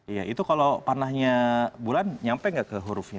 iya itu kalau panahnya bulan nyampe nggak ke hurufnya